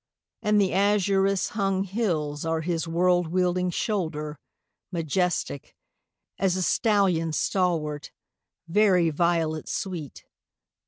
And the azurous hung hills are his world wielding shoulder Majestic as a stallion stalwart, very violet sweet!